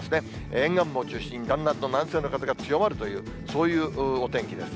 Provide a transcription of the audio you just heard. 沿岸部を中心にだんだんと南西の風が強まるという、そういうお天気です。